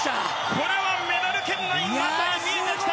これはメダル圏内が見えてきた！